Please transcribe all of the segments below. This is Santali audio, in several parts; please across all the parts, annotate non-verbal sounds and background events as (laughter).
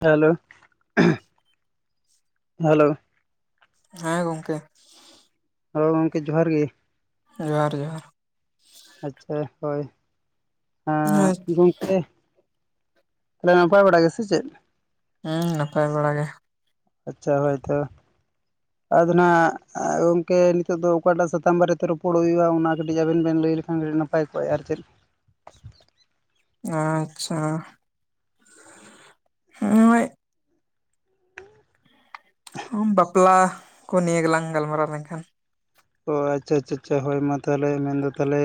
ᱦᱮ ᱦᱮᱸᱞᱳ ᱦᱮᱸᱞᱳ᱾ ᱦᱮᱸ ᱜᱚᱝᱠᱮ ᱜᱚᱝᱠᱮ ᱡᱚᱦᱟᱨ ᱜᱮ᱾ ᱡᱚᱦᱟᱨ ᱡᱚᱦᱟᱨ ᱟᱪᱪᱷᱟ ᱦᱳᱭ ᱜᱚᱝᱠᱮ, ᱛᱟᱦᱚᱞᱮ ᱱᱟᱯᱟᱭ ᱵᱟᱲᱟ ᱜᱮ ᱥᱮ ᱪᱮᱫ ᱦᱩᱸ ᱱᱟᱯᱟᱭ ᱵᱟᱲᱟ ᱜᱮ ᱾ ᱟᱪᱪᱷᱟ ᱦᱳᱭᱛᱚ ᱾ ᱟᱫᱚ ᱱᱟᱦᱟᱜ ᱜᱚᱢᱠᱮ ᱱᱤᱛᱚᱜ ᱫᱚ ᱚᱠᱟᱴᱟᱜ ᱥᱟᱛᱟᱢ ᱵᱟᱨᱮᱛᱮ ᱨᱚᱯᱚᱲ ᱦᱩᱭᱩᱜᱼᱟ, ᱚᱱᱟ ᱠᱟᱹᱴᱤᱡ ᱟᱵᱮᱱ ᱵᱮᱱ ᱞᱟᱹᱭ ᱞᱮᱠᱷᱟᱱ ᱱᱟᱯ ᱯᱟᱭ ᱠᱚᱜ ᱟ ᱟᱨ ᱪᱮᱫ ᱟᱪᱪᱷᱟ ᱦᱚᱸᱜᱼᱚᱭ ᱦᱚᱢ ᱵᱟᱯᱞᱟ ᱠᱚ ᱱᱤᱭᱟᱹ ᱜᱮᱞᱟᱝ ᱜᱟᱞᱢᱟᱨᱟᱣ ᱞᱮᱱᱠᱷᱟᱱ ᱾ ᱚᱻ ᱟᱪᱪᱷᱟ ᱟᱪᱪᱷᱟ ᱟᱪᱪᱷᱟ ᱦᱳᱭ ᱢᱟ ᱛᱟᱦᱚᱞᱮ ᱢᱮᱱᱫᱟ ᱛᱟᱦᱞᱮ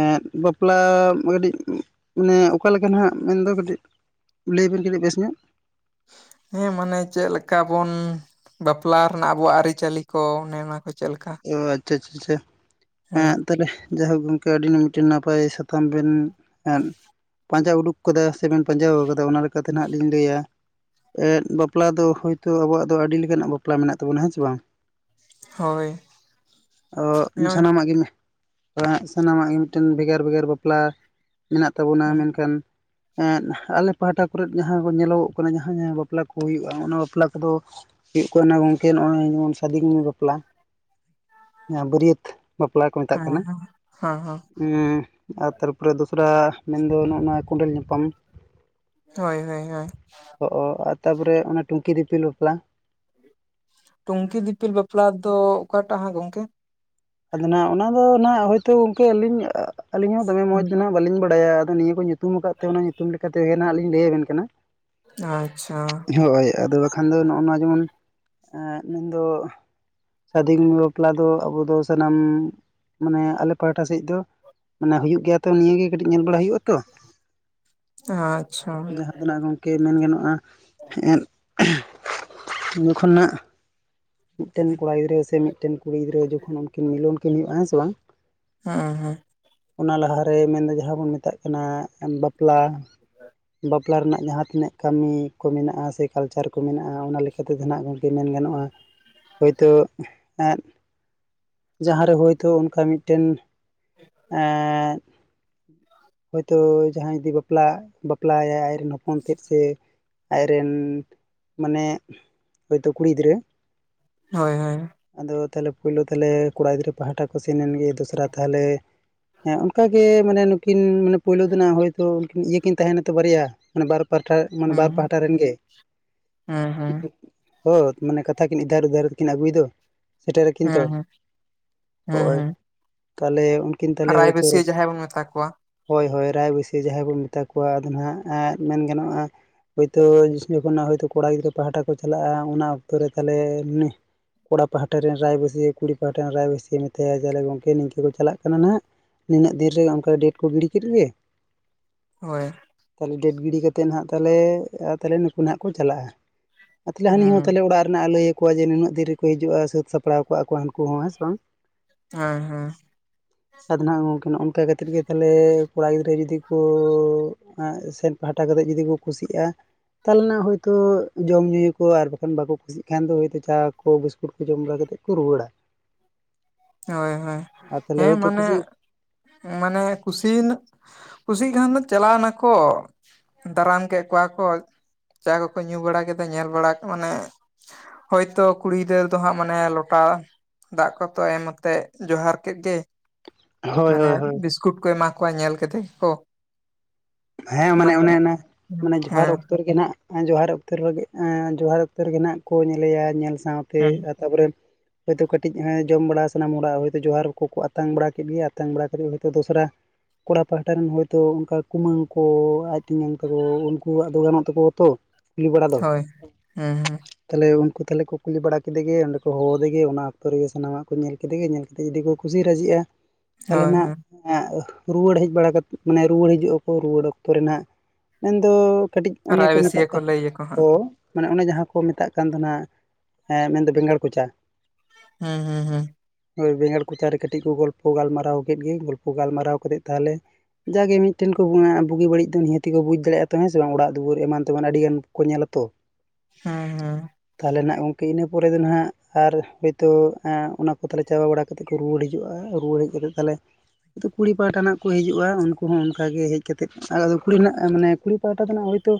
ᱮᱫ ᱵᱟᱯᱞᱟ ᱢᱟ ᱠᱟᱹᱴᱤᱡ ᱢᱟᱱᱮ ᱚᱠᱟᱞᱮᱠᱟᱱ ᱱᱟᱦᱟᱜ ᱢᱮᱱᱫᱚ ᱠᱟᱹᱴᱤᱡ ᱞᱟᱹᱭ ᱵᱤᱱ ᱠᱟᱹᱴᱤᱡ ᱵᱮᱥ ᱧᱚᱜ ᱾ ᱦᱮᱸ ᱢᱟᱱᱮ ᱪᱮᱫ ᱞᱮᱠᱟ ᱵᱚᱱ, ᱵᱟᱯᱟᱞᱟ ᱨᱮᱱᱟᱜ ᱟᱵᱚᱣᱟᱜ ᱟᱹᱨᱤᱪᱟᱹᱞᱤ ᱠᱚ ᱚᱱᱮ ᱚᱱᱟ ᱠᱚ ᱪᱮᱫ ᱞᱮᱠᱟ ᱾ ᱚ ᱟᱪᱪᱷᱟ ᱟᱪᱪᱷᱟ ᱟᱪᱪᱷᱟ ᱮᱸᱫ ᱛᱟᱦᱞᱮ ᱡᱟᱭᱦᱳᱠ ᱜᱚᱢᱠᱮ (unintelligible) ᱢᱤᱫᱴᱮᱱ ᱱᱟᱯᱟᱭ ᱥᱟᱛᱟᱢ ᱵᱮᱱ ᱮᱸᱫ ᱯᱟᱸᱡᱟ ᱩᱰᱩᱠ ᱠᱟᱫᱟ ᱥᱮᱵᱮᱱ ᱯᱟᱸᱡᱟᱣ ᱠᱟᱫᱟ ᱚᱱᱟ ᱞᱮᱠᱟᱛᱮ ᱱᱟᱦᱟᱜ ᱞᱤᱧ ᱞᱟᱹᱭᱟ, ᱮᱸᱫ ᱵᱟᱯᱞᱟ ᱫᱚ ᱦᱳᱭᱛᱳ ᱟᱵᱚᱣᱟᱜ ᱫᱚ ᱟᱹᱰᱤ ᱞᱮᱠᱟᱱᱟᱜ ᱵᱟᱯᱞᱟ ᱢᱮᱱᱟᱜ ᱛᱟᱵᱚᱱᱟ ᱦᱮᱸ ᱪᱮ ᱵᱟᱝ ᱾ ᱦᱳᱭ ᱾ ᱚᱜ (unintelligible) ᱮᱜ ᱥᱟᱱᱟᱢᱟᱜ ᱜᱮ ᱢᱤᱫᱴᱮᱱ ᱵᱷᱮᱜᱟᱨ ᱵᱷᱮᱜᱟᱨ ᱵᱟᱯᱞᱟ ᱢᱮᱱᱟᱜ ᱛᱟᱵᱚᱱᱟ, ᱦᱮᱸ ᱢᱮᱱᱠᱷᱟᱱ ᱮᱸᱫ ᱟᱞᱮ ᱯᱟᱦᱟᱴᱟ ᱠᱚᱨᱮᱜ ᱡᱟᱦᱟᱸ ᱠᱚ ᱧᱮᱞᱚᱜᱚᱜ ᱠᱟᱱᱟ ᱡᱟᱦᱟᱸ ᱡᱟᱦᱟᱸ ᱵᱟᱯᱞᱟ ᱠᱚ ᱦᱩᱭᱩᱜᱼᱟ ᱚᱱᱟ ᱵᱟᱯᱞᱟ ᱠᱚᱫᱚ ᱾ ᱦᱩᱭᱩᱜ ᱠᱟᱱᱟ ᱜᱚᱝᱠᱮ ᱱᱚᱜᱼᱚᱭ ᱡᱮᱢᱚᱱ ᱥᱟᱫᱤᱱ ᱵᱟᱯᱞᱟ ᱾ ᱡᱟᱦᱟᱸ ᱵᱟᱹᱨᱭᱟᱹᱛ, ᱵᱟᱯᱞᱟ ᱠᱚ ᱢᱮᱛᱟᱜ ᱠᱟᱱᱟ ᱦᱮᱸ ᱦᱮᱸ ᱾ ᱦᱩᱸ ᱟᱨ ᱛᱟᱨᱯᱚᱨᱮ ᱫᱚᱥᱨᱟ ᱢᱮᱱᱫᱚ ᱱᱚᱜᱼᱚ ᱱᱚᱣᱟ ᱠᱚᱸᱰᱮᱞ ᱧᱟᱯᱟᱢ ᱾ ᱦᱳᱭ ᱦᱳᱭ ᱦᱳᱭ ᱾ ᱚ ᱟᱨ ᱛᱟᱨ ᱯᱚᱨᱮ ᱚᱱᱟ ᱴᱩᱝᱠᱤ ᱫᱤᱯᱤᱞ ᱵᱟᱯᱞᱟ ᱾ ᱴᱩᱝᱠᱤ ᱫᱤᱯᱤᱞ ᱵᱟᱯᱞᱟ ᱫᱚ ᱚᱠᱟᱴᱟᱜ ᱦᱟᱸᱜ ᱜᱚᱝᱠᱮ ᱾ ᱟᱫᱚ ᱱᱟᱜ ᱚᱱᱟ ᱫᱚ ᱱᱟᱜ ᱦᱳᱭᱛᱳ ᱜᱚᱝᱠᱮ ᱟᱹᱞᱤᱧ (inaudible) ᱟᱹᱞᱤᱧ ᱦᱚᱸ ᱫᱚᱢᱮ ᱢᱚᱡᱽ ᱫᱚ ᱱᱟᱜ ᱵᱟᱹᱞᱤᱧ ᱵᱟᱲᱟᱭᱟ ᱟᱫᱚ ᱱᱤᱭᱟᱹ ᱠᱚ ᱧᱩᱛᱩᱢ ᱠᱟᱫ ᱛᱮ ᱚᱱᱟ ᱧᱩᱛᱩᱢ ᱞᱮᱠᱟ ᱛᱮᱜᱮ ᱱᱟᱦᱟᱜ ᱞᱤᱧ ᱞᱟᱹᱭ ᱟᱵᱮᱱ ᱠᱟᱱᱟ ᱾ ᱟᱪᱪᱷᱟ ᱾ ᱦᱳᱭ ᱟᱫᱚ ᱵᱟᱠᱷᱟᱱ ᱫᱚ ᱱᱚᱜᱼᱚ ᱱᱚᱣᱟ ᱡᱮᱢᱚᱱ ᱢᱮᱱᱫᱚ ᱥᱟᱫᱷᱤᱱ ᱵᱟᱯᱞᱟ ᱫᱚ ᱟᱵᱚ ᱫᱚ ᱥᱟᱱᱟᱢ ᱢᱟᱱᱮ ᱟᱞᱮ ᱯᱟᱦᱟᱴᱟ ᱥᱮᱡ ᱫᱚ ᱢᱟᱱᱮ ᱦᱩᱭᱩᱜ ᱜᱮᱭᱟ ᱛᱚ ᱱᱤᱭᱟᱹᱜᱮ ᱾ ᱠᱟᱹᱴᱤᱡ ᱧᱮᱞ ᱵᱟᱲᱟ ᱦᱩᱭᱩᱜᱼᱟ ᱛᱚ, ᱟᱪᱪᱷᱟ ᱡᱟᱸᱦᱟ ᱟᱫᱚ ᱱᱟᱜ ᱜᱚᱝᱠᱮ ᱢᱮᱱ ᱜᱟᱱᱚᱜ-ᱟ ᱮᱫ (unintelligible) ᱾ ᱢᱤᱫᱴᱮᱱ ᱠᱚᱲᱟ ᱜᱤᱫᱽᱨᱟᱹ ᱥᱮ ᱢᱤᱫᱴᱮᱱ ᱠᱩᱲᱤ ᱜᱤᱫᱽᱨᱟᱹ ᱡᱚᱠᱷᱚᱱ ᱩᱱᱠᱤᱱ ᱢᱤᱞᱚᱱ ᱠᱤᱱ ᱦᱩᱭᱩᱜᱼᱟ ᱦᱮᱸ ᱥᱮ ᱵᱟᱝ ᱾ ᱦᱮᱸ ᱦᱮᱸ ᱚᱱᱟ ᱞᱟᱦᱟᱨᱮ ᱢᱮᱱᱫᱚ ᱡᱟᱦᱟᱸ ᱵᱚᱱ ᱢᱮᱛᱟᱜ ᱠᱟᱱᱟ ᱵᱟᱯᱞᱟ ᱵᱟᱯ ᱵᱟᱯᱞᱟ ᱨᱮᱱᱟᱜ ᱡᱟᱦᱟᱸ ᱛᱤᱱᱟᱹᱜ ᱠᱟᱹᱢᱤ ᱠᱚ ᱢᱮᱱᱟᱜ-ᱟ ᱥᱮ ᱠᱟᱞᱪᱟᱨ ᱠᱚ ᱢᱮᱱᱟᱜᱼᱟ ᱚᱱᱟ ᱞᱮᱠᱟᱛᱮ ᱱᱟᱦᱟᱜ ᱜᱚᱢᱠᱮ ᱢᱮᱱ ᱜᱟᱱᱚᱜᱼᱟ ᱾ ᱦᱳᱭᱛᱳ ᱮᱫ ᱡᱟᱦᱟᱸᱨᱮ ᱦᱳᱭᱛᱳ ᱚᱱᱠᱟ ᱢᱤᱫᱴᱮᱱ ᱮᱸᱻᱫ ᱦᱚᱭᱛᱳ ᱡᱟᱦᱟᱸᱭ ᱡᱩᱫᱤ ᱵᱟᱯᱞᱟ ᱵᱟᱯᱞᱟᱭ ᱭᱟᱭ ᱟᱡᱨᱮᱱ ᱦᱚᱯᱚᱱ ᱛᱮᱫ ᱥᱮ ᱟᱡ ᱨᱮᱱᱻ ᱢᱟᱱᱮ ᱦᱳᱭ ᱛᱚ ᱠᱩᱲᱤ ᱜᱤᱫᱽᱨᱟᱹ ᱾ ᱦᱚᱭ ᱦᱚᱭ ᱾ ᱟᱫᱚ ᱛᱟᱦᱞᱮ ᱯᱩᱭᱞᱳ ᱛᱟᱞᱦᱮ ᱾ ᱠᱚᱲᱟ ᱜᱤᱫᱽᱨᱟᱹ ᱯᱟᱦᱟᱴᱟ ᱠᱚ ᱥᱮᱱ ᱮᱱ ᱜᱮ ᱫᱚᱥᱨᱟ ᱛᱟᱦᱟᱞᱮ ᱮᱜ ᱚᱱᱠᱟᱜᱮ ᱢᱟᱱᱮ ᱱᱩᱠᱤᱱ ᱢᱟᱱᱮ ᱾ ᱯᱳᱭᱞᱳ ᱫᱚᱱᱟᱜ ᱦᱳᱭᱛᱳ ᱤᱭᱟᱹ ᱠᱤᱱ ᱛᱟᱦᱮᱸ ᱱᱟᱛᱚ ᱵᱟᱨᱭᱟ ᱾ ᱢᱟᱱᱮ ᱵᱟᱨ ᱯᱟᱦᱴᱟ ᱢᱟᱱᱮ ᱵᱟᱨ ᱦᱮᱸ ᱯᱟᱦᱴᱟ ᱨᱮᱱ ᱜᱮ (inaudible) ᱾ ᱦᱮᱸ ᱦᱮᱸ ᱦᱮᱸ (unintelligible) ᱢᱟᱱᱮ ᱠᱟᱛᱷᱟ ᱠᱤᱱ ᱤᱫᱷᱟᱨᱼ ᱩᱫᱷᱟᱨ ᱛᱮᱠᱤᱱ ᱟᱹᱜᱩᱭ ᱫᱚ ᱥᱮᱴᱮᱨ ᱨᱟᱠᱤᱱ ᱛᱚ ᱾ ᱦᱮᱸ ᱦᱮᱸ ᱦᱚᱜ-ᱚᱭ ᱦᱮᱸ ᱛᱟᱦᱞᱮ ᱩᱱᱠᱤᱱ ᱛᱟᱦᱞᱮ ᱦᱳᱭ ᱛᱳ ᱨᱟᱭᱵᱟᱹᱥᱭᱟᱹ ᱡᱟᱦᱟᱸᱭ ᱵᱚᱱ ᱢᱮᱛᱟ ᱠᱚᱣᱟ ᱾ ᱦᱳᱭ ᱦᱳᱭ ᱨᱟᱭᱵᱟᱹᱥᱤᱭᱟᱹ ᱡᱟᱦᱟᱸᱭ ᱠᱚ ᱢᱮᱛᱟ ᱠᱚᱣᱟ ᱟᱫᱚ ᱱᱟᱦᱟᱜ ᱮᱜ ᱢᱮᱱ ᱜᱟᱱᱚᱜ-ᱟ ᱦᱳᱭ ᱛᱳ ᱡᱚᱠᱷᱚᱱ ᱦᱚᱭ ᱛᱳ ᱠᱚᱲᱟ ᱜᱤᱫᱽᱨᱟᱹ ᱯᱟᱦᱴᱟ ᱠᱚ ᱪᱟᱞᱟᱜ-ᱟ ᱚᱱᱟ ᱚᱠᱛᱚ ᱨᱮ ᱛᱟᱦᱞᱮ ᱠᱚᱲᱟ ᱯᱟᱦᱴᱟ ᱨᱮᱱ ᱨᱟᱭᱵᱟᱹᱥᱤᱭᱟᱹ ᱠᱩᱲᱤ ᱯᱟᱦᱟᱴᱟ ᱨᱮᱱ ᱨᱟᱭᱵᱟᱹᱥᱤᱭᱟᱹ ᱢᱮᱛᱟᱭᱟ ᱡᱟᱞᱮ ᱜᱚᱢᱠᱮ ᱪᱟᱞᱟᱜ ᱠᱟᱱᱟ ᱱᱟᱦᱟᱜᱼᱼ ᱱᱤᱱᱟᱹᱜ ᱫᱤᱱ ᱚᱱᱠᱟ ᱠᱚ ᱜᱤᱲᱤ ᱠᱮᱫ ᱜᱮ ᱦᱳᱭ ᱛᱟᱦᱞᱮ ᱰᱮᱴ ᱜᱤᱰᱤ ᱠᱟᱛᱮᱫ ᱱᱟᱦᱟᱜ ᱛᱟᱦᱞᱮ ᱛᱟᱦᱞᱮ ᱱᱩᱠᱩ ᱱᱟᱦᱟᱜ ᱠᱚ ᱪᱟᱞᱟᱜ-ᱟ ᱟᱨ ᱛᱟᱦᱞᱮ ᱦᱟᱹᱱᱤ ᱦᱚᱸ ᱦᱮᱸ ᱛᱟᱦᱞᱮ ᱚᱲᱟᱜ ᱨᱮᱱᱟᱜ ᱞᱟᱹᱭᱟ ᱠᱚᱣᱟᱭ ᱡᱮ ᱱᱩᱱᱟᱹᱜ ᱫᱤᱱ ᱨᱮᱠᱚ ᱦᱤᱡᱩᱜ-ᱟ ᱥᱟᱹᱛ ᱥᱟᱯᱲᱟᱣ ᱠᱟᱜ-ᱟ ᱠᱚᱣᱟ ᱦᱟᱹᱱᱠᱩ ᱦᱚᱸ ᱦᱮᱸ ᱥᱮ ᱵᱟᱝ ᱦᱮᱸ ᱦᱮᱸ ᱟᱫᱚ ᱱᱟᱜ ᱜᱚᱢᱠᱮ ᱚᱱᱠᱟ ᱠᱟᱛᱮᱫ ᱛᱟᱦᱞᱮ ᱠᱚᱲᱟ ᱡᱩᱫᱤ ᱠᱚᱻ ᱥᱮᱱ ᱯᱟᱦᱴᱟ ᱠᱟᱛᱮᱫ ᱡᱩᱫᱤ ᱠᱚ ᱠᱩᱥᱤᱜ-ᱟ ᱛᱟᱦᱚᱞᱮ ᱱᱟ ᱦᱳᱭ ᱛᱳ ᱡᱚᱢ ᱧᱩᱭᱟ ᱠᱚ ᱟᱨ ᱵᱟᱠᱷᱟᱱ ᱵᱟᱠᱚ ᱠᱩᱥᱤᱜᱼᱼ ᱪᱮᱫ ᱠᱷᱟᱱ ᱫᱚ ᱦᱚᱭ ᱛᱚ ᱪᱟ ᱠᱚ ᱵᱤᱥᱠᱩᱴ ᱠᱚ ᱡᱚᱢ ᱵᱟᱲᱟ ᱠᱟᱛᱮᱫ ᱠᱚ ᱨᱩᱣᱟᱹᱲᱟ ᱦᱳᱭ ᱦᱳᱭ ᱟᱨ ᱛᱟᱦᱚᱞᱮ ᱦᱮᱸ ᱦᱳᱭᱛᱳ ᱢᱟᱱᱮ ᱠᱩᱥᱤ ᱢᱟᱱᱮ ᱠᱩᱥᱤᱼᱼ ᱠᱩᱥᱤᱜ ᱠᱷᱟᱱ ᱠᱚ ᱪᱟᱞᱟᱣ ᱱᱟᱠᱚ ᱫᱟᱨᱟᱢ ᱠᱮᱫ ᱠᱚᱣᱟ ᱠᱚ ᱪᱟ ᱠᱚᱠᱚ ᱧᱩ ᱵᱟᱲᱟ ᱠᱮᱫᱟ ᱧᱮᱞ ᱵᱟᱲᱟ ᱢᱟᱱᱮᱼᱼ ᱦᱳᱭᱛᱚ ᱠᱩᱲᱤ ᱜᱤᱫᱟᱹᱨ ᱫᱚ ᱦᱟᱸᱜ ᱢᱟᱱᱮ ᱞᱚᱴᱟ ᱫᱟᱜ ᱠᱚᱛᱚ ᱮᱢᱼᱼ ᱛ ᱡᱚᱦᱟᱨ ᱠᱮᱫ ᱜᱮ ᱦᱳᱭ ᱢᱟᱱᱮ ᱦᱳᱭ ᱦᱳᱭ ᱵᱤᱥᱠᱩᱴ ᱠᱚ ᱮᱢᱟ ᱠᱚᱣᱟ ᱧᱮᱞ ᱠᱟᱛᱮ ᱜᱮᱠᱚ ᱦᱮᱸ ᱢᱟᱱᱮ ᱚᱱᱮ ᱚᱱᱟ ᱢᱟᱱᱮ ᱡᱚᱦᱟᱨ ᱦᱮᱸ ᱚᱠᱛᱚ ᱨᱮᱜᱮ ᱱᱟᱜᱼᱼ ᱡᱚᱦᱟᱨ ᱚᱠᱛ ᱨᱮᱜᱮ ᱮᱸ ᱡᱚᱦᱟᱨ ᱚᱠᱛᱚ ᱨᱮᱜᱮ ᱦᱟᱸᱜ ᱠᱚ ᱧᱮᱞᱮᱭᱟ ᱧᱮᱞ ᱥᱟᱣ ᱛᱮ ᱦᱮᱸ ᱛᱟᱨᱯᱚᱨᱮᱼᱼ ᱦᱳᱭ ᱛᱳ ᱠᱟᱹᱴᱤᱡ ᱦᱚᱸᱭ ᱡᱚᱢ ᱵᱟᱲᱟ ᱥᱟᱱᱟᱢ ᱦᱚᱲᱟᱜ ᱦᱚᱭᱛᱳ ᱡᱚᱦᱟᱨ ᱠᱚᱠᱚ ᱟᱛᱟᱝ ᱵᱟᱲᱟ ᱠᱮᱫ ᱜᱮᱭᱟ ᱟᱛᱟᱝ ᱵᱟᱲᱟ ᱠᱮᱜ-ᱜᱤ ᱫᱚᱥᱨᱟᱼᱼ ᱠᱚᱲᱟ ᱯᱟᱦᱟᱴᱟ ᱨᱮᱱ ᱦᱚᱭᱛᱚ ᱚᱱᱠᱟ ᱠᱩᱢᱟᱹᱝᱼᱼ ᱠᱚ ᱟᱡ ᱛᱮᱧᱟᱝ ᱛᱟᱠᱚ ᱩᱱᱠᱩᱣᱟᱜ ᱫᱚ ᱜᱟᱱᱚᱜ ᱛᱟᱠᱚᱣᱟ ᱛᱚᱼᱼ ᱠᱩᱞᱤ ᱵᱟᱲᱟ ᱫᱚᱼᱼ ᱦᱳᱭ ᱦᱩᱸ ᱦᱩᱸ ᱛᱟᱦᱞᱮ ᱩᱱᱠᱩ ᱛᱟᱦᱞᱮ ᱠᱚ ᱠᱩᱞᱤ ᱵᱟᱲᱟ ᱠᱮᱫᱮ ᱜᱮ ᱚᱸᱰᱮ ᱠᱚ ᱦᱚᱦᱚᱫᱮ ᱜᱮ ᱚᱱᱟ ᱚᱠᱛᱚ ᱨᱮᱜᱮ ᱥᱟᱱᱟᱢᱟᱜ ᱠᱚ ᱧᱮᱞ ᱠᱮᱫᱮ ᱜᱤ ᱧᱮᱞᱼᱼ ᱡᱩᱫᱤ ᱠᱚ ᱠᱩᱥᱤ ᱛᱟᱦᱞᱮ ᱦᱳᱭ ᱱᱟᱜ ᱦᱳᱭ ᱨᱩᱣᱟᱹᱲ ᱦᱮᱡ ᱵᱟᱲᱟ ᱠᱟᱛᱮᱫ ᱢᱟᱱᱮ ᱨᱩᱣᱟᱹᱲ ᱦᱤᱡᱩᱜᱼᱼ ᱨᱩᱣᱟᱹᱲ ᱚᱠᱛᱚ ᱨᱮ ᱱᱟᱦᱟᱜ ᱢᱮᱱ ᱫᱚ ᱠᱟᱹᱴᱤᱡ ᱚᱱᱮ ᱠᱚ ᱨᱟᱭᱵᱟᱹᱥᱭᱟᱹ ᱢᱮᱛᱟᱜ ᱠᱟᱱ, ᱞᱟᱹᱭᱟᱠᱚ ᱚᱻ ᱦᱟᱸᱜ ᱢᱟᱱᱮ ᱚᱱᱮ ᱡᱟᱦᱟᱸ ᱠᱚ ᱢᱮᱛᱟᱜ ᱠᱟᱱ ᱫᱚ ᱱᱟᱜ ᱮᱸ ᱢᱮᱱᱫᱚ ᱵᱮᱸᱜᱟᱲ ᱠᱚᱪᱟ ᱦᱮᱸ ᱦᱩᱸ ᱦᱩᱸ ᱵᱮᱸᱜᱟᱲ ᱠᱚᱪᱟᱨᱮ ᱠᱟᱹᱴᱤᱡ ᱠᱚ ᱜᱚᱞᱯᱚ ᱜᱟᱞᱢᱟᱨᱟᱣ ᱠᱮᱫ ᱜᱮ ᱜᱚᱞᱯᱚ ᱜᱟᱞᱢᱟᱨᱟᱣ ᱠᱟᱛᱮᱜ ᱛᱟᱦᱚᱞᱮ ᱡᱟᱜᱮ ᱢᱤᱫᱴᱮᱱᱼᱼ ᱵᱩᱜᱤ ᱵᱟᱹᱲᱤᱡ ᱫᱚ ᱱᱤᱦᱟᱹᱜᱠᱚ ᱵᱩᱡᱽ ᱫᱟᱲᱮᱭᱟᱜᱼᱟ ᱛ ᱦᱸᱮ ᱵᱟᱝ ᱚᱲᱟᱜ ᱫᱩᱣᱟᱹᱨ ᱮᱢᱟᱱ ᱛᱮᱢᱟᱱ ᱟᱹᱰᱤ ᱜᱟᱱ ᱠᱚ ᱧᱮᱞᱟ ᱛᱚ ᱦᱮᱸ ᱦᱮᱸ ᱛᱟᱦᱞᱮ ᱱᱟᱜ ᱜᱚᱢᱠᱮ ᱤᱱᱟᱹ ᱯᱚᱨᱮ ᱫᱚ ᱱᱟᱦᱟᱜ ᱟᱨ ᱦᱚᱭ ᱛᱚ ᱚᱱᱟ ᱯᱚᱛᱷᱟᱞᱮ ᱪᱟᱵᱟ ᱵᱟᱲᱟᱼᱼ ᱠᱟᱛᱮ ᱠᱚ ᱨᱩᱣᱟᱹᱲ ᱦᱤᱡᱩᱜ-ᱟ ᱨᱩᱣᱟᱹᱲ ᱦᱮᱡ ᱠᱟ ᱠᱟᱛᱮᱮᱫ ᱛᱟᱦᱚᱞᱮ ᱠᱩᱲᱤ ᱯᱟᱦᱴᱟᱱᱟᱜ ᱠᱚ ᱦᱤᱡᱩᱜ-ᱟ ᱩᱱᱠᱩ ᱦᱚᱸᱼᱼ ᱚᱱᱠᱟ ᱜᱮ ᱦᱮᱡ ᱠᱟᱛᱮᱫ ᱟᱫᱚ ᱠᱩᱲᱤ ᱨᱮᱱᱟᱜ ᱢᱟᱱᱮ ᱠᱩᱲᱤ ᱯᱟᱦᱴᱟ ᱫᱚ ᱦᱳᱭ ᱛᱳᱼᱼ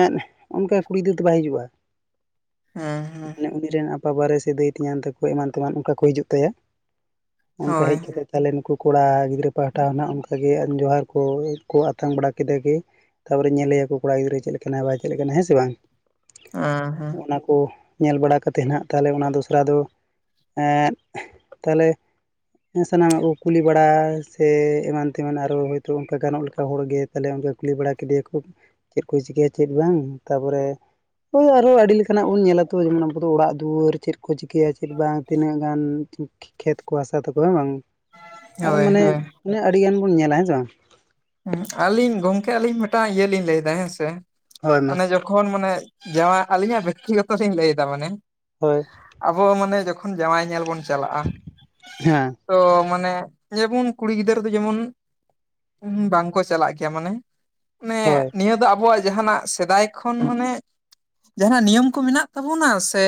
ᱮᱜ ᱚᱱᱠᱟ ᱠᱩᱲᱤ ᱜᱤᱫᱽᱨᱟᱹ ᱫᱚ ᱵᱟᱭ ᱦᱤᱡᱩᱜ‌ ᱟᱭ ᱦᱮ ᱦᱮ‌ ᱟᱡ ᱨᱮᱱ ᱟᱯᱟᱵᱟᱨᱮ ᱥᱮ ᱫᱟᱹᱭ ᱛᱮᱧᱟᱝ ᱛᱟᱠᱚ ᱮᱢᱟᱱ ᱛᱮᱢᱟᱱ ᱚᱱᱠᱟ ᱠᱚ ᱦᱤᱡᱩᱜ ᱛᱟᱭᱟ ᱚᱱᱠᱟ ᱦᱳᱭ ᱦᱮᱡ ᱠᱟᱛᱮ ᱛᱟᱦᱚᱞᱮ ᱱᱩᱠᱩ ᱠᱚᱲᱟ ᱜᱤᱫᱽᱨᱟᱹ ᱯᱟᱦᱴᱟ ᱱᱟᱜ ᱚᱱᱠᱜᱮ ᱮᱢ ᱡᱚᱸᱦᱟᱨ᱾ ᱠᱚ ᱟᱛᱟᱝ ᱵᱟᱲᱟ ᱠᱮᱫᱟᱮ ᱜᱮ ᱛᱟᱨᱯᱚᱨᱮ ᱧᱮᱞᱮᱭᱟᱠᱚ ᱠᱚᱲᱟ ᱜᱤᱫᱽᱨᱟᱹ ᱪᱮᱫ ᱞᱮᱠᱟᱱᱟ ᱵᱟᱭ ᱪᱮᱫ ᱞᱮᱠᱟᱱᱟ ᱦᱮᱸ ᱥᱮ ᱵᱟᱝ? ᱦᱮᱸ ᱦᱮᱸ ᱚᱱᱟ ᱠᱚ ᱧᱮᱞ ᱵᱟᱲᱟ ᱠᱟᱛᱮᱫ ᱱᱟᱦᱟᱜ ᱛᱟᱦᱚᱞᱮ ᱚᱱᱟ ᱫᱚᱥᱨᱟ ᱫᱚ ᱮ ᱛᱟᱦᱚᱞᱮ ᱥᱟᱱᱟᱢᱟᱜ ᱜᱮ ᱠᱩᱞᱤ ᱵᱟᱲᱟ ᱥᱮ ᱮᱢᱟᱱ ᱛᱮᱢᱟᱱ ᱟᱨᱚ ᱦᱚᱭ ᱛᱚ ᱚᱱᱠᱟ ᱜᱟᱱᱚᱜ ᱞᱮᱠᱟ ᱦᱚᱲᱜᱮ ᱛᱟᱦᱚᱞᱮ ᱚᱱᱠᱟ ᱠᱩᱞᱤ ᱵᱟᱲᱟ ᱠᱮᱫᱮᱭᱟᱠᱚ ᱪᱮᱫ ᱠᱚ ᱪᱤᱠᱟᱹᱭ ᱛᱟᱦᱮᱫ ᱵᱟᱲᱟᱭᱟᱢ ᱛᱟᱯᱚᱨᱮ ᱦᱳᱭ ᱟᱨᱚ ᱟᱹᱰᱤ ᱞᱮᱠᱟᱱᱟᱜ ᱵᱚᱱ ᱧᱮᱞ ᱟᱛᱚ ᱡᱮᱢᱚᱱ ᱟᱵᱚ ᱫᱚ ᱳᱲᱟᱜ ᱫᱩᱭᱟᱹᱨ ᱠᱚ ᱪᱤᱠᱟᱹᱭᱟ ᱪᱮᱫ ᱵᱟᱝ ᱛᱤᱱᱟᱹᱜ ᱜᱟᱱ ᱠᱷᱮᱛ ᱦᱟᱥᱟ ᱛᱟᱠᱚ ᱦᱮᱸ ᱵᱟᱝ᱾ ᱟᱨ ᱦᱳᱭ ᱢᱟᱱᱮ ᱦᱳᱭ ᱟᱱᱮ ᱟᱹᱰᱤᱜᱟᱱ ᱵᱚᱱ ᱧᱮᱞᱟ ᱦᱮᱸ ᱥᱮ ᱵᱟᱝ᱾ ᱦᱩᱸ ᱟᱹᱞᱤᱧ ᱜᱚᱝᱠᱮ ᱟᱹᱞᱤᱧ ᱢᱤᱫᱴᱟᱝ ᱤᱭᱟᱹ ᱞᱤᱧ ᱞᱟᱹᱭ ᱫᱟ ᱦᱮᱸ ᱥᱮ ᱦᱳᱭ ᱢᱟ ᱚᱱᱮ ᱡᱚᱠᱷᱚ ᱡᱚᱛᱚᱠᱷᱚᱱ ᱢᱟᱱᱮ ᱡᱟᱭᱟ ᱟᱹᱞᱤᱧᱟᱜ ᱵᱮᱠᱛᱤᱜᱚᱛᱚ ᱞᱟᱹᱭ ᱫᱟ ᱢᱟᱱᱮ᱾ ᱦᱳᱭ᱾ ᱟᱵᱚ ᱢᱟᱱᱮ ᱡᱚᱠᱷᱚᱱ ᱡᱟᱣᱟᱭ ᱧᱮᱞ ᱵᱚᱱ ᱪᱟᱞᱟᱜᱼᱟ᱾ ᱦᱮᱸ ᱛᱚ ᱢᱟᱱᱮ ᱡᱮᱢᱚᱱ ᱠᱩᱲᱤ ᱜᱤᱫᱽᱟᱹᱨ ᱫᱚ ᱡᱮᱢᱚᱱ᱾ ᱦᱩ ᱵᱟᱝᱠᱚ ᱪᱟᱞᱟᱜ ᱜᱮᱭᱟ ᱢᱟᱱᱮ ᱢᱟᱱᱮ ᱦᱳᱭ ᱱᱤᱭᱟᱹ ᱫᱚ ᱟᱵᱚᱣᱟᱜ ᱡᱟᱦᱟᱱᱟᱜ ᱥᱮᱫᱟᱭ ᱠᱷᱚᱱ ᱢᱟᱱᱮ ᱡᱟᱦᱟᱸ ᱱᱟᱜ ᱱᱤᱭᱚᱢ ᱠᱚ ᱢᱮᱱᱟᱜ ᱛᱟᱠᱳᱱᱟ ᱥᱮ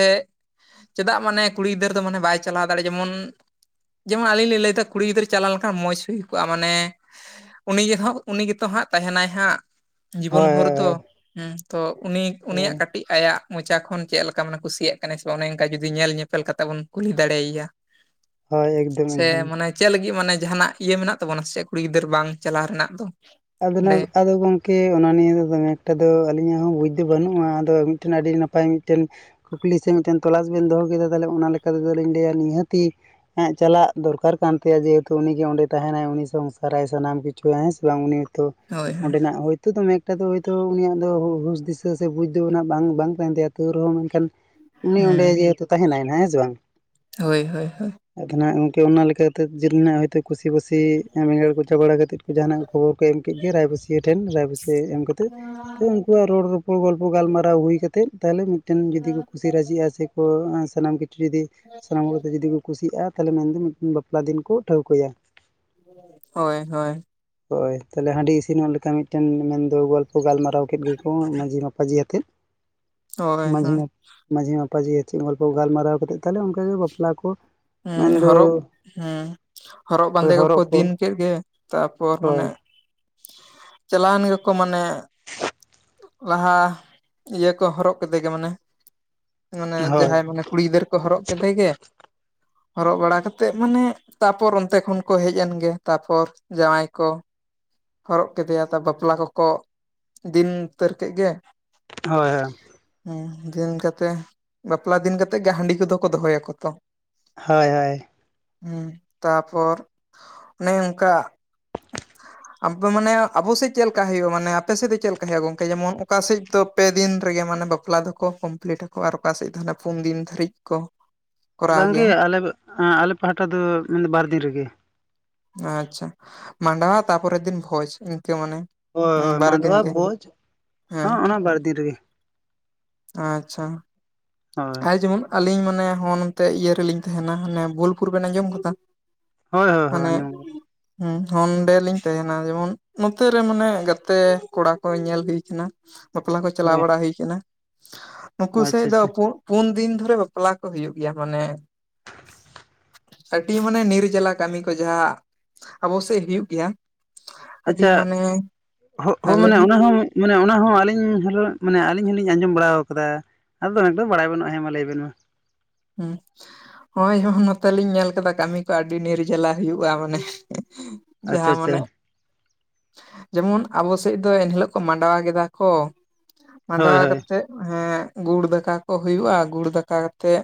ᱪᱮᱫᱟᱜ ᱢᱟᱱᱮ ᱠᱩᱲᱤ ᱜᱤᱫᱟᱹᱨ ᱫᱚ ᱢᱟᱱᱮ ᱵᱟᱭ ᱪᱟᱞᱟᱣ ᱫᱟᱲᱮ ᱡᱮᱢᱚᱱ ᱡᱮᱢᱚᱱ ᱟᱹᱞᱤᱧ ᱞᱤᱧ ᱞᱟᱹᱭ ᱫᱟ ᱠᱩᱲᱤ ᱜᱤᱫᱽᱨᱟᱹ ᱪᱟᱞᱟᱣ ᱞᱮᱱᱠᱷᱟᱱ ᱢᱚᱡᱽ ᱦᱩᱭ ᱠᱚᱜᱼᱟ ᱢᱟᱱᱮ ᱩᱱᱤ ᱜᱮ ᱦᱚᱜ ᱩᱱᱤ ᱜᱮᱛᱚ ᱦᱟᱸᱜ ᱛᱟᱦᱮᱱᱟᱭ ᱦᱟᱸᱜ ᱡᱤᱵᱚᱱ ᱦᱳᱭ ᱵᱷᱳᱨ ᱫᱚ ᱦᱳᱭ ᱦᱚ ᱛᱚ ᱩᱱᱤᱭᱟᱜ ᱦᱳᱭ ᱠᱟᱴ ᱠᱟᱹᱴᱤᱡ ᱟᱭᱟᱜ ᱢᱚᱪᱟ ᱠᱷᱚᱱ ᱪᱮᱜ ᱞᱮᱠᱟ ᱢᱟᱱᱮ ᱠᱩᱥᱤᱭᱟᱜ ᱠᱟᱱᱟᱭ ᱥᱮ ᱵᱟᱝ ᱚᱱᱮ ᱚᱱᱠᱟ ᱡᱩᱫᱤ ᱧᱮᱞ ᱧᱮᱯᱮᱞ ᱠᱟᱛᱮ ᱵᱚᱱ ᱠᱩᱞᱤ ᱫᱟᱲᱮᱭᱟᱭᱟ᱾ ᱦᱳᱭ ᱮᱠᱫᱚᱢ ᱥᱮ ᱮᱠᱫᱚᱢ ᱢᱟᱱᱮ ᱪᱮᱜ ᱞᱟᱹᱜᱤᱜ ᱢᱟᱱᱮ ᱡᱟᱦᱟᱱᱟᱜ ᱤᱭᱟᱹ ᱢᱮᱱᱟᱜ ᱛᱟᱵᱚᱱᱟ ᱥᱮ ᱪᱮᱫ ᱠᱩᱲᱤ ᱜᱤᱫᱟᱹᱨ ᱵᱟᱝ ᱪᱟᱞᱟᱣ ᱨᱮᱱᱟᱜ ᱫᱚ᱾ ᱟᱫᱚ ᱚᱸᱰᱮ ᱱᱟᱝ ᱟᱫᱚ ᱜᱟᱝ ᱠᱤ ᱚᱱᱟ ᱱᱤᱭᱮ ᱫᱚᱢᱮ ᱮᱠᱴᱟ ᱫᱚ ᱟᱹᱞᱤᱧᱟᱜ ᱦᱚᱸ ᱵᱩᱡᱽ ᱫᱚ ᱵᱟᱹᱱᱩᱜᱼᱟ ᱟᱫᱚ ᱢᱤᱴᱮᱱ ᱟᱹᱰᱤ ᱱᱟᱯᱟᱭ ᱢᱤᱫᱴᱮᱱ ᱠᱩᱠᱞᱤ ᱥᱮ ᱢᱤᱫᱴᱮᱱ ᱛᱚᱞᱟᱥ ᱵᱮᱱ ᱫᱚᱦᱚ ᱠᱮᱫᱟ ᱛᱟᱦᱚᱞᱮ ᱚᱱᱟ ᱞᱮᱠᱟ ᱛᱮᱫᱚᱞᱤᱧ ᱞᱟᱹᱭᱟ ᱱᱤᱦᱟᱹᱛᱤ ᱦᱮᱸ ᱪᱟᱞᱟᱜ ᱫᱚᱨᱠᱟᱨ ᱠᱟᱱ ᱛᱟᱭᱟ ᱡᱮᱦᱮᱛᱩ ᱩᱱᱤ ᱜᱮ ᱚᱸᱰᱮ ᱛᱟᱦᱮᱱᱟᱭ ᱩᱱᱤ ᱥᱚᱝᱥᱟᱨᱟᱭ ᱥᱟᱱᱟᱢ ᱠᱤᱪᱷᱩ ᱦᱮᱸ ᱥᱮ ᱵᱟᱝ ᱩᱱᱤ ᱛᱚ ᱚᱸᱰᱮ ᱱᱟᱜ ᱦᱳᱭ ᱱᱤᱛᱚᱜ ᱫᱚ ᱢᱮᱠᱴᱟ ᱫᱚ ᱦᱳᱭᱛᱚ ᱩᱱᱤᱭᱟᱜ ᱫᱚ ᱦᱩᱥ ᱫᱤᱥᱟᱹ ᱥᱮ ᱵᱩᱡ ᱫᱚ ᱚᱱᱟ ᱵᱟᱝ ᱵᱟᱝ ᱛᱟᱦᱮᱱ ᱛᱟᱭᱟ ᱛᱟᱹᱣ ᱨᱮᱦᱚᱸ ᱢᱮᱱᱠᱷᱟᱱ ᱩᱱᱤ ᱚᱸᱰᱮ ᱦᱩᱸ ᱜᱮ ᱛᱚ ᱛᱟᱦᱮᱱᱟᱭ ᱦᱮᱸ ᱥᱮ ᱵᱟᱝ? ᱦᱳᱭ ᱦᱳᱭ ᱦᱳᱭ᱾ ᱮᱠᱷᱮ ᱱᱟᱦᱟᱜ ᱜᱚᱝᱠᱮ ᱚᱱᱟ ᱞᱮᱠᱟ ᱠᱟᱛᱮᱫ ᱦᱳᱭᱛᱳ ᱠᱩᱥᱤ ᱵᱟᱹᱥᱤ ᱵᱮᱸᱜᱟᱲ ᱠᱚᱪᱟ ᱵᱟᱲᱟ ᱠᱟᱛᱮᱜ ᱠᱚ ᱡᱟᱦᱟ ᱱᱟᱜ ᱠᱚ ᱠᱟᱹᱴᱤᱡ ᱜᱮ ᱨᱟᱭᱵᱟᱹᱥᱤᱭᱟᱹ ᱴᱷᱮᱱ ᱨᱟᱭᱵᱟᱹᱥᱤᱭᱟᱹ ᱮᱢ ᱠᱟᱛᱮ ᱛᱚ ᱩᱱᱠᱩᱣᱟᱜ ᱨᱚᱲ ᱨᱚᱯᱚᱲ ᱜᱚᱞᱯᱚ ᱜᱟᱞᱢᱟᱨᱟᱣ ᱦᱩᱭ ᱠᱟᱛᱮᱜ ᱛᱟᱦᱚᱞᱮ ᱢᱤᱫᱴᱮᱱ ᱡᱩᱫᱤ ᱠᱚ ᱠᱩᱥᱤ ᱨᱟᱹᱡᱤᱜᱼᱟ ᱥᱮ ᱠᱚ ᱥᱟᱱᱟᱢ ᱠᱤᱪᱷᱩ ᱡᱩᱫᱤ ᱥᱟᱱᱟᱢ ᱠᱚᱜᱮ ᱡᱩᱫᱤ ᱠᱚ ᱠᱩᱥᱤᱼᱟ ᱛᱟᱦᱚᱞᱮ ᱢᱮᱱᱫᱚ ᱢᱤᱫᱴᱮᱱ ᱵᱟᱯᱞᱟ ᱫᱤᱱ ᱠᱚ ᱴᱷᱟᱹᱣᱠᱟᱹᱭᱟ᱾ ᱦᱳᱭ ᱦᱳᱭ᱾ ᱦᱳᱭ᱾ ᱛᱟᱦᱚᱞᱮ ᱦᱟᱺᱰᱤ ᱤᱥᱤᱱ ᱦᱚᱲ ᱞᱮᱠᱟ ᱢᱤᱫᱴᱮᱱ ᱢᱮᱱᱮᱢ ᱫᱚ ᱜᱚᱞᱯᱚ ᱜᱟᱞᱢᱟᱨᱟᱣ ᱠᱮᱫ ᱜᱮᱠᱚ ᱢᱟᱺᱡᱷᱤ ᱢᱟᱯᱟᱡᱷᱤ ᱟᱛᱮ᱾ ᱦᱳᱭ ᱢᱟᱹᱡᱷᱤ ᱦᱳᱭ ᱢᱟᱯᱟᱡᱤ ᱢᱟᱯᱟᱡᱷᱤ ᱪᱮ ᱜᱚᱞᱯᱚ ᱜᱟᱞᱢᱟᱨᱟᱣ ᱠᱟᱛᱮᱫ ᱛᱟᱦᱚᱞᱮ ᱚᱱᱠᱟ ᱜᱮ ᱵᱟᱯᱞᱟ ᱠᱚ ᱦᱮᱸ ᱢᱮᱱᱫᱚ ᱦᱚᱨᱚᱜ ᱦᱮᱸ᱾ ᱦᱚᱨᱚᱜ ᱵᱟᱸᱫᱮ ᱠᱚ ᱠᱚ ᱫᱤᱱ ᱠᱮᱜ ᱜᱮ ᱛᱟᱯᱚᱨ ᱢᱟᱱᱮ ᱦᱳᱭ ᱪᱟᱞᱟᱭᱮᱱ ᱜᱮᱠᱚ ᱢᱟᱱᱮ ᱞᱟᱦᱟ ᱤᱭᱟᱹ ᱠᱚ ᱦᱚᱨᱚᱜ ᱠᱮᱫᱮ ᱜᱮ ᱢᱟᱱᱮ ᱢᱟᱱᱮ ᱦᱳᱭ ᱡᱟᱦᱟᱸᱭ ᱢᱟᱱᱮ ᱠᱩᱲᱤ ᱜᱤᱫᱟᱹᱨ ᱠᱚ ᱦᱚᱨᱚᱜ ᱠᱮᱫᱮ ᱜᱮ᱾ ᱦᱚᱨᱚᱜ ᱵᱟᱲᱟ ᱠᱟᱛᱮᱜ ᱢᱟᱱᱮ, ᱛᱟᱯᱚᱨ ᱚᱱᱛᱮ ᱠᱷᱚᱱ ᱠᱚ ᱦᱮᱡ ᱮᱱ ᱜᱮ ᱛᱟᱯᱚᱨ ᱡᱟᱶᱟᱭ ᱠᱚ᱾ ᱦᱚᱨᱚᱜ ᱠᱮᱫᱮᱭᱟ ᱟᱫᱚ ᱵᱟᱯᱞᱟ ᱠᱚᱠᱚᱫᱤᱱ ᱩᱛᱟᱹᱨ ᱠᱮᱜ ᱜᱮ᱾ ᱦᱳᱭ ᱦᱳᱭ᱾ ᱦᱩᱸ ᱫᱤᱱ ᱠᱟᱛᱮᱜ ᱵᱟᱯᱞᱟ ᱫᱤᱱ ᱠᱟᱛᱮᱜ ᱜᱮ ᱦᱟᱺᱰᱤ ᱠᱚᱫᱚ ᱠᱚ ᱫᱚᱦᱚᱭᱟ ᱠᱚ ᱛᱚ᱾ ᱦᱳᱭ ᱦᱳᱭ᱾ ᱦᱩᱸ ᱛᱟᱯᱚᱨ ᱚᱱᱮ ᱚᱱ ᱠᱟ᱾ ᱟᱯᱮ ᱢᱟᱱᱮ ᱟᱵᱚ ᱥᱮᱡ ᱞᱮᱠᱟ ᱦᱩᱭᱩᱜᱼᱟ ᱢᱟᱱᱮ ᱟᱯᱮ ᱥᱮᱡ ᱫᱚ ᱪᱮᱫ ᱞᱮᱠᱟ ᱦᱩᱭᱩᱜᱼᱟ ᱜᱚᱝᱠᱮ ᱡᱮᱢᱚᱱ ᱚᱠᱟ ᱥᱮᱡ ᱫᱚ ᱯᱮ ᱫᱤᱱ ᱨᱮᱜᱮ ᱢᱟᱱᱮ ᱵᱟ ᱵᱟᱯᱞᱟ ᱫᱚᱠᱚ ᱠᱚᱢᱯᱤᱞᱤᱴ ᱟᱠᱚ ᱟᱨ ᱚᱠᱟ ᱥᱮᱫ ᱫᱚ ᱦᱟᱱᱮ ᱯᱩᱱ ᱫᱤᱱ ᱫᱷᱟᱹᱨᱤᱡ ᱠᱚ ᱠᱚᱨᱟᱣ ᱜᱮᱭᱟ ᱵᱟᱝᱜᱮ ᱟᱞᱮ ᱟᱞᱮ ᱯᱟᱦᱴᱟ ᱫᱚ ᱢᱮᱱᱮ ᱵᱟᱨᱫᱤᱱ ᱨᱮᱜᱮ᱾ ᱟᱪᱪᱷᱟ ᱢᱟᱸᱰᱣᱟ ᱛᱟᱯᱚᱨᱮ ᱫᱤᱱ ᱵᱷᱳᱡᱽ ᱤᱱᱠᱟᱹ ᱢᱟᱱᱮ᱾ ᱦᱳᱭ ᱦᱮᱸ ᱦᱳᱭ ᱵᱟᱨ ᱫᱤᱱ ᱢᱟᱰᱚᱣᱟ ᱜᱮ ᱵᱷᱳᱡᱽ, ᱦᱮᱸ ᱚᱱᱟ ᱵᱟᱨ ᱫᱤᱱ ᱨᱮᱜᱮ ᱟᱪᱪᱷᱟ᱾ ᱦᱳᱭ ᱟᱨ ᱡᱮᱢᱚᱱ ᱟᱹᱞᱤᱧ ᱢᱟᱱᱮ ᱦᱚᱸ ᱱᱚᱱᱛᱮ ᱤᱭᱟᱹ ᱨᱮᱞᱤᱧ ᱛᱟᱦᱮᱱᱟ ᱦᱟᱱᱮ ᱵᱳᱞᱯᱩᱨ ᱵᱮᱱ ᱟᱸᱡᱚᱢ ᱟᱠᱟᱫᱟ? ᱦᱳᱭ ᱦᱳᱭ ᱟᱸᱡᱚᱢ ᱦᱮᱸ ᱚᱸᱰᱮ ᱞᱤᱧ ᱛᱟᱦᱮᱱᱟ ᱡᱮᱢᱚᱱ ᱱᱚᱛᱮ ᱨᱮ ᱢᱟᱱᱮ ᱜᱟᱛᱮ ᱠᱚᱲᱟ ᱠᱚ ᱧᱮᱞ ᱦᱩᱭ ᱠᱟᱱᱟ ᱾ ᱵᱟᱯᱞᱟ ᱠᱚ ᱪᱟᱞᱟᱣ ᱦᱳᱭ ᱵᱟᱲᱟ ᱦᱩᱭ ᱟᱠᱟᱱᱟ ᱱᱩᱠᱩ ᱥᱮᱡ ᱟᱪᱪᱷᱟ ᱫᱚ ᱟᱪᱪᱷᱟ (inaudible) ᱯᱩᱱ ᱫᱤᱱ ᱫᱷᱚᱨᱮ ᱵᱟᱯᱞᱟ ᱠᱚ ᱦᱩᱭᱩᱜ ᱜᱮᱭᱟ ᱢᱟᱱᱮ ᱟᱹᱰᱤ ᱢᱟᱱᱮ ᱱᱤᱨ ᱡᱟᱞᱟ ᱠᱟᱹᱢᱤ ᱠᱚ ᱡᱟᱦᱟ, ᱸ ᱟᱵᱚ ᱥᱮᱫ ᱦᱩᱭᱩᱜ ᱜᱮᱭᱟ ᱾ ᱟᱪᱪᱷᱟ ᱦᱳ ᱦᱮᱸ ᱞᱟᱹᱭ ᱢᱟᱱᱮ ᱵᱤᱱ ᱚᱱᱟ ᱦᱚᱸ ᱢᱟᱱᱮ ᱚᱱᱟ ᱦᱚᱸ ᱟᱹᱞᱤᱧ ᱦᱚᱸ ᱢᱟᱱᱮ ᱟᱹᱞᱤᱧ ᱦᱚᱸᱞᱤᱧ ᱟᱸᱡᱚᱢ ᱵᱟᱲᱟ ᱟᱠᱟᱫᱟ᱾ ᱟᱫᱚ ᱮᱠᱚᱫᱚᱢ ᱵᱟᱲᱟᱭ ᱵᱟᱹᱱᱩᱜᱼᱟ ᱦᱮᱸ ᱢᱟ ᱞᱮᱭᱵᱮᱱ ᱢᱟ᱾ (unintelligible) ᱱᱚᱜᱼᱚᱭ ᱱᱚᱛᱮᱞᱤᱧ ᱧᱮᱞ ᱠᱟᱫᱟ ᱠᱟᱹᱢᱤ ᱠᱚ ᱟᱹᱰᱤ ᱱᱤᱨᱡᱟᱞᱟ ᱦᱩᱭᱩᱜᱼᱟ ᱢᱟᱱᱮ ᱟᱪᱪᱷᱟ ᱡᱟᱦᱟᱸ ᱟᱪᱪᱷᱟ ᱢᱟᱱᱮ ᱡᱮᱢᱚᱱ ᱟᱵᱚ ᱥᱮᱡ ᱫᱚ ᱮᱱᱦᱤᱞᱳᱜ ᱠᱚ ᱢᱟᱸᱰᱣᱟ ᱠᱮᱫᱟ ᱠᱚ, ᱦᱳᱭ ᱢᱟᱸᱰᱣᱟ ᱦᱳᱭ ᱠᱟᱛᱮᱜ ᱦᱮᱸ ᱜᱩᱲ ᱫᱟᱠᱟ ᱠᱚ ᱦᱩᱭᱩᱜᱼᱟ ᱜᱩᱲ ᱫᱟᱠᱟ ᱠᱟᱛᱮᱜ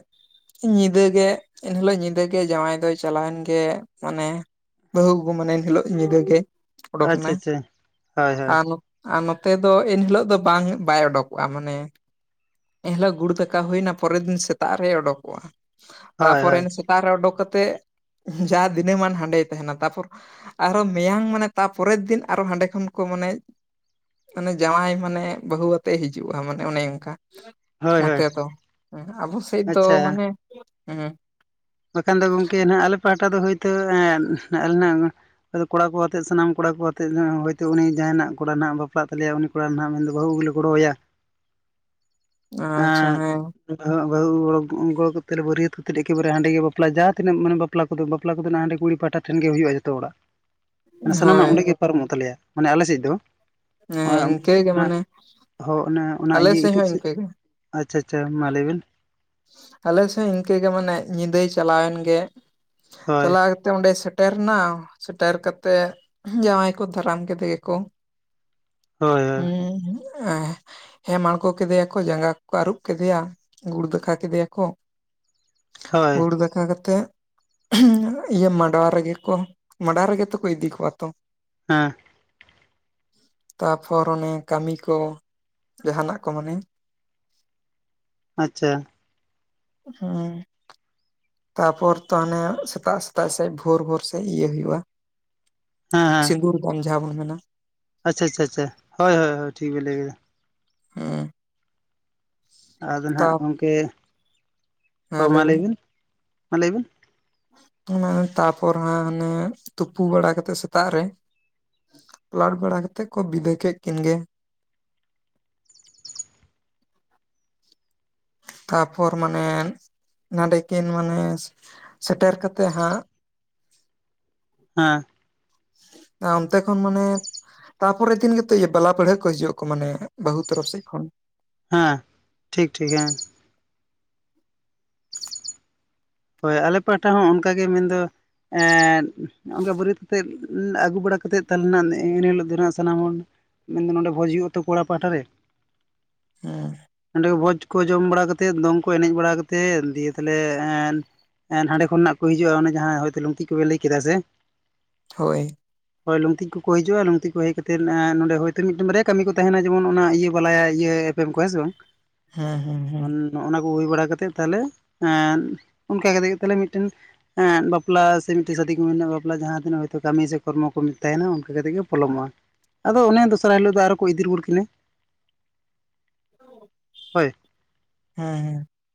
ᱧᱤᱫᱟᱹ ᱜᱮ, ᱮᱱᱦᱤᱞᱳᱜ ᱧᱤᱫᱟᱹ ᱜᱮ ᱡᱟᱶᱟᱭ ᱫᱚᱭ ᱪᱟᱞᱟᱣᱮᱱ ᱜᱮ ᱢᱟᱱᱮ ᱵᱟᱹᱦᱩ ᱟᱜᱩ ᱢᱟᱱᱮ ᱮᱱ ᱦᱤᱞᱳᱜ ᱧᱤᱫᱟᱹ ᱜᱮ, ᱟᱪᱪᱷᱟ ᱚᱰᱳᱠᱱᱟᱭ ᱟᱪᱪᱷᱟ ᱦᱳᱭ ᱦᱳᱭ ᱟᱨ ᱟᱨ ᱱᱚᱛᱮ ᱫᱚ ᱤᱱᱦᱤᱞᱳᱜ ᱫᱚ ᱵᱟᱝ ᱵᱟᱭ ᱩᱰᱩᱠᱚᱜᱼᱟ᱾ ᱢᱟᱱᱮ ᱮᱱᱦᱤᱞᱳᱜ ᱜᱩᱲ ᱫᱟᱠᱟ ᱦᱩᱭᱱᱟ ᱯᱚᱨᱮᱨ ᱫᱤᱱ ᱥᱮᱛᱟᱜ ᱨᱮᱭ ᱩᱰᱩᱠᱚᱜᱼᱟ᱾ ᱦᱳᱭ ᱛᱟᱨᱯᱚᱨᱮ ᱦᱳᱭ ᱛᱟᱜ ᱨᱮ ᱚᱰᱩᱠ ᱠᱟᱛᱮᱜ ᱡᱟ ᱫᱤᱱᱟᱹᱢᱟᱱ ᱦᱟᱸᱰᱮ ᱛᱟᱦᱮᱱᱟ ᱛᱟᱨᱯᱚᱨ ᱟᱨᱚ ᱢᱮᱭᱟᱝ ᱢᱟᱱᱮ ᱛᱟᱨᱯᱚᱨᱮᱨ ᱫᱤᱱ ᱟᱨᱚ ᱦᱟᱸᱰᱮ ᱠᱷᱚᱱ ᱠᱚ ᱢᱟᱱᱮ ᱢᱟᱱᱮ ᱡᱟᱶᱟᱭ ᱢᱟᱱᱮ ᱵᱟᱹᱦᱩ ᱟᱛᱮᱜ ᱮ ᱦᱤᱡᱩᱜᱼᱟ ᱢᱟᱱᱮ ᱚᱱᱮ ᱚᱱᱠᱟ ᱾ ᱦᱳᱭ ᱦᱳᱭ ᱱᱚᱛᱮ ᱫᱚ ᱟᱵᱚ ᱥᱮᱡ ᱫᱚ ᱟᱪᱪᱷᱟ ᱢᱟᱱᱮ ᱦᱮᱸ ᱵᱟᱠᱷᱟᱱ ᱫᱚ ᱜᱚᱢᱠᱮ ᱦᱟᱜ ᱟᱞᱮ ᱯᱟᱦᱴᱟ ᱫᱚ ᱦᱳᱭᱛᱳ ᱟᱞᱮ ᱟᱫᱚ ᱠᱚᱲᱟ ᱠᱚ ᱟᱛᱮᱜ ᱥᱟᱱᱟᱢ ᱠᱚᱲᱟ ᱠᱚ ᱟᱛᱮ ᱦᱚᱭᱛᱳ ᱩᱱᱤ ᱡᱟᱦᱟᱭ ᱱᱟᱜ ᱠᱚᱲᱟ ᱦᱟᱜ ᱵᱟᱯᱞᱟᱜ ᱛᱟᱞᱮᱭᱟ ᱩᱱᱤ ᱠᱚᱲᱟ ᱱᱟᱦᱟᱜ ᱢᱮᱱᱫᱚ ᱵᱟᱹᱦᱩ ᱟᱜᱩ ᱞᱮ ᱜᱚᱲᱚᱣᱟᱭᱟ ᱾ ᱟᱪᱪᱷᱟ ᱮᱸ ᱦᱮᱸ ᱵᱟᱹᱦᱩ (inaudible) ᱵᱟᱹᱨᱭᱟᱹᱛ ᱠᱟᱛᱮᱫ ᱮᱠᱮᱵᱟᱨᱮ ᱦᱟᱸᱰᱮ ᱜᱮ ᱵᱟᱯᱞᱟ ᱡᱟᱦᱟᱸ ᱛᱤᱱᱟᱹ ᱢᱟᱱᱮ ᱵᱟᱯᱞᱟ ᱠᱚᱫᱚ ᱵᱟᱯᱞᱟ ᱠᱚᱫᱚ ᱦᱟᱸᱰᱮ ᱠᱩᱲᱤ ᱯᱟᱦᱴᱟ ᱴᱷᱮᱱ ᱜᱮ ᱦᱩᱭᱩᱜᱼᱟ ᱡᱚᱛᱚ ᱦᱚᱲᱟᱜ ᱾ ᱢᱟᱱᱮ ᱥᱟᱱᱟᱢᱟᱜ ᱦᱳᱭ ᱚᱸᱰᱮ ᱜᱮ ᱯᱟᱨᱚᱢᱚᱜ ᱛᱟᱞᱮᱭᱟ ᱢᱟᱱᱮ ᱟᱞᱮ ᱥᱮᱫ ᱫᱚ ᱦᱮᱸ ᱾ ᱤᱱᱠᱟᱹᱜᱮ ᱚᱱᱟ ᱢᱟᱱᱮ ᱦᱚᱸ ᱚᱱᱟ ᱚᱱᱟ ᱟᱞᱮ ᱤᱭᱟᱹ ᱥᱮᱫ ᱤᱛᱩᱫ ᱦᱚᱸ ᱥᱤᱸᱫᱩᱨ᱾ ᱤᱱᱠᱟᱹᱜᱮ ᱟᱪᱪᱷᱟ ᱟᱪᱪᱷᱟ ᱢᱟ ᱞᱟᱹᱭᱵᱤᱱ᱾ ᱟᱞᱮ ᱥᱮᱫ ᱤᱱᱠᱟᱹᱜᱮ ᱢᱟᱱᱮ ᱧᱤᱫᱟᱹᱭ ᱪᱟᱞᱟᱣᱮᱱ ᱜᱮ᱾ ᱦᱳᱭ ᱪᱟᱞᱟᱣ ᱠᱟᱛᱮ ᱛᱮ ᱚᱸᱰᱮ ᱥᱮᱴᱮᱨ ᱮᱱᱟ ᱥᱮᱴᱮᱨ ᱠᱟᱛᱮᱫ ᱡᱟᱶᱟᱭ ᱠᱚ ᱫᱟᱨᱟᱢ ᱠᱮᱫᱮ ᱜᱮᱠᱚ᱾ (inaudible) ᱦᱩᱸ ᱦᱩᱸᱜ᱾ ᱮᱸ ᱦᱮᱸᱢ ᱟᱬᱜᱳ ᱠᱮᱫᱮᱭᱟ ᱠᱚ ᱡᱟᱸᱜᱟ ᱠᱚᱠᱚ ᱟᱹᱨᱩᱵ ᱠᱮᱫᱮᱭᱟ ᱜᱩᱲ ᱫᱟᱠᱟ ᱠᱮᱫᱮᱭᱟ ᱠᱚ ᱦᱳᱭ ᱜᱩᱲ ᱫᱟᱠᱟ ᱠᱟᱛᱮᱜ ᱤᱭᱟᱹ ᱢᱟᱰᱣᱟ ᱨᱮᱜᱮ ᱠᱚ ᱢᱟᱰᱣᱟ ᱨᱮᱜᱮ ᱛᱚ ᱠᱚ ᱤᱫᱤ ᱠᱚᱣᱟ ᱛᱚ᱾ ᱦᱮᱸ᱾ ᱛᱟ ᱯᱚᱨ ᱚᱱᱮ ᱠᱟᱹᱢᱤ ᱠᱚ ᱡᱟᱦᱟᱱᱟᱜ ᱠᱚ ᱢᱟᱱᱮ᱾ ᱟᱪᱪᱷᱟ᱾ ᱦᱮᱸ᱾ ᱛᱟᱯᱚᱨ ᱛᱚ ᱦᱟᱱᱮ ᱥᱮᱛᱟᱜ ᱥᱮᱛᱟᱜ ᱥᱮᱡ ᱵᱷᱳᱨ ᱵᱷᱳᱨ ᱥᱮᱡ ᱤᱭᱟᱹ ᱦᱩᱭᱩᱜᱼᱟ᱾ ᱦᱮᱸ ᱥᱤᱸᱫᱩᱨ ᱫᱟᱱ ᱡᱟᱦᱟᱸ ᱵᱚᱱ ᱢᱮᱱᱟ᱾ ᱟᱪᱪᱷᱟᱼᱟᱪᱷᱟ-ᱟᱪᱷᱟ, ᱦᱳᱭ-ᱦᱳᱭ-ᱦᱳᱭ ᱴᱷᱤᱠ ᱵᱮᱱ ᱞᱟᱹᱭ ᱠᱟᱫᱟ᱾ ᱾ ᱦᱩᱸ ᱟᱫᱚ ᱱᱟᱦᱟᱜ ᱛᱟᱯ ᱜᱚᱢᱠᱮ ᱦᱮᱸ ᱦᱚᱸ ᱢᱟ ᱞᱟᱹᱭ ᱵᱮᱱ ᱞᱟᱹᱭᱵᱤᱱ ᱢᱟ ᱞᱟᱹᱭᱵᱤᱱ᱾ ᱚᱱᱟ ᱛᱟᱯᱚᱨ ᱦᱟᱸᱜ ᱦᱟᱱᱮ ᱛᱩᱯᱩ ᱵᱟᱲᱟ ᱠᱟᱛᱮᱜ ᱥᱮᱛᱟᱜ ᱨᱮ ᱯᱟᱞᱟᱴ ᱵᱟᱲᱟ ᱠᱟᱛᱮᱫ ᱠᱚ ᱵᱤᱫᱟᱹᱭ ᱠᱮᱫ ᱠᱤᱱ ᱜᱮ᱾ ᱛᱟᱯᱚᱨ ᱢᱟᱱᱮ ᱱᱚᱰᱮ ᱠᱤᱱ ᱢᱟᱱᱮ ᱥᱮᱴᱮᱨ ᱠᱟᱛᱮ ᱦᱟᱸᱜ ᱦᱮᱸ᱾ ᱟᱸ ᱚᱱᱛᱮ ᱠᱷᱚᱱ ᱢᱟᱱᱮ ᱛᱟᱯᱚᱨᱮ ᱫᱤᱱ ᱜᱮᱛᱚ ᱤᱭᱟᱹ ᱵᱟᱞᱟ ᱯᱟᱹᱲᱦᱟᱹ ᱠᱚ ᱦᱤᱡᱩᱜᱼᱟᱠ ᱢᱟᱱᱮ ᱵᱟᱹᱦᱩ ᱛᱚᱨᱚᱯᱷ ᱥᱮᱫ ᱠᱷᱚᱱ᱾ ᱦᱮᱸ ᱴᱷᱤᱠᱼᱴᱷᱤᱠ ᱦᱮᱸ᱾ ᱦᱳᱭ ᱟᱞᱮ ᱯᱟᱦᱴᱟ ᱦᱚᱸ ᱚᱱᱠᱟᱜᱮ ᱢᱮᱱᱫᱚ ᱮᱸᱫ ᱱᱚᱜ-ᱚᱱᱠᱟ ᱵᱟᱹᱨᱭᱟᱹᱛ ᱠᱟᱛᱮᱫ ᱩᱸ ᱟᱹᱜᱩ ᱵᱟᱲᱟ ᱠᱟᱛᱮᱫ ᱛᱟᱞᱚᱞᱮ ᱱᱟᱦᱜ ᱤᱱᱟᱹᱦᱤᱞᱳᱜ ᱫᱚ ᱱᱟᱦᱟᱜ ᱥᱟᱱᱟᱢ ᱦᱚᱲ ᱢᱮᱱᱫᱚ ᱱᱚᱰᱮ ᱵᱷᱚᱡ ᱦᱩᱭᱩᱜ ᱟᱛᱚ ᱠᱚᱲᱟ ᱯᱟᱦᱴᱟ ᱨᱮ᱾ ᱦᱮᱸ᱾ ᱱᱚᱸᱰᱮ ᱜᱮ ᱵᱷᱚᱡᱽ ᱠᱚ ᱡᱚᱢ ᱵᱟᱲᱟ ᱠᱟᱛᱮᱫ, ᱫᱚᱝ ᱠᱚ ᱮᱱᱮᱡ ᱵᱟᱲᱟ ᱠᱟᱛᱮᱫ ᱫᱤᱭᱟᱹ ᱛᱟᱦᱞᱮ ᱮᱱ ᱮᱱ ᱦᱟᱸᱰᱮ ᱠᱷᱚᱱᱦᱟᱜ ᱠᱚ ᱦᱤᱡᱩᱜᱼᱟ ᱚᱱᱮ ᱡᱟᱦᱟᱸ ᱦᱚᱭᱛᱳ ᱞᱩᱝᱠᱤ ᱠᱚᱜᱮ ᱞᱟᱹᱭ ᱠᱮᱫᱟᱭ ᱥᱮ᱾ ᱦᱳᱭ᱾ ᱦᱳᱭ ᱞᱩᱝᱠᱛᱤ ᱠᱚᱠᱚ ᱦᱤᱡᱩᱜᱼᱟ᱾ ᱞᱩᱠᱛᱤ ᱠᱚ ᱦᱮᱡ ᱠᱟᱛᱮᱫ ᱮᱸ ᱱᱚᱸᱰᱮ ᱦᱚᱳᱭᱛᱳ ᱢᱤᱫᱴᱮᱱ ᱵᱟᱨᱭᱟ ᱠᱟᱹᱢᱤ ᱠᱚ ᱛᱟᱦᱮᱱᱟ ᱡᱮᱢᱚᱱ ᱚᱱᱟ ᱤᱭᱟᱹ ᱵᱟᱞᱟᱭᱟ ᱤᱭᱟᱹ ᱮᱯᱮᱢ ᱠᱚᱣᱟ ᱦᱮᱸ ᱥᱮ ᱵᱟᱝ᱾ ᱦᱮᱸᱼᱦᱮᱸᱼᱦᱮᱸ᱾ ᱱᱚᱜᱼᱚᱱᱟ ᱠᱚ ᱦᱩᱭ ᱵᱟᱲᱟ ᱠᱟᱛᱮᱫ ᱛᱟᱦᱞᱮ ᱮᱸᱱ ᱚᱱᱠᱟ ᱠᱟᱛᱮ ᱜᱮ ᱛᱟᱦᱞᱮ ᱢᱤᱫᱴᱷᱮᱱ ᱮᱸᱫ ᱵᱟᱯᱞᱟ ᱥᱮ ᱢᱤᱫᱴᱮᱡ ᱥᱟᱫᱤ ᱠᱚ ᱢᱮᱱᱟᱜᱼᱟ ᱵᱟᱯᱞᱟ ᱡᱟᱦᱟᱸ ᱛᱤᱱᱟᱹᱜ ᱦᱚᱭᱛᱳ ᱠᱟᱹᱢᱤ ᱥᱮ ᱠᱚᱨᱢᱚ ᱠᱚ ᱛᱟᱦᱮᱱᱟ ᱚᱱᱠᱟ ᱠᱟᱛᱮᱜ ᱜᱮ ᱯᱚᱞᱚᱢᱚᱜᱼᱟ᱾ ᱟᱫᱚ ᱚᱱᱮ ᱫᱩᱥᱟᱨᱟ ᱦᱤᱞᱳᱜ ᱫᱚ ᱟᱨᱦᱚ ᱠᱚ ᱤᱫᱤ ᱨᱩᱣᱟᱹᱲ ᱠᱤᱱᱟᱹ, ᱦᱳᱭ᱾ ᱦᱮᱸ ᱦᱮᱸ᱾